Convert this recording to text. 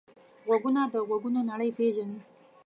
غوږونه له غږونو نړۍ پېژني